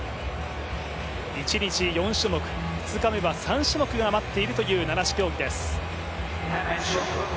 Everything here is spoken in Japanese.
一日４種目、２日目は３種目が待っているという七種競技です。